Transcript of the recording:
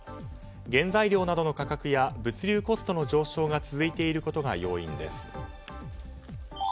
原材料などの価格や物流コストの上昇などが続いていることが要因です。